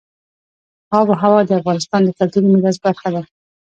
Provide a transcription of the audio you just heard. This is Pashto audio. آب وهوا د افغانستان د کلتوري میراث برخه ده.